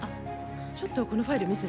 ちょっと、このファイル見せて。